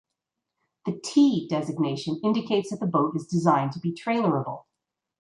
The "T" designation indicates that the boat is designed to be trailerable.